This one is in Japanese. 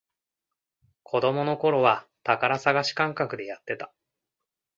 子供のころは宝探し感覚でやってた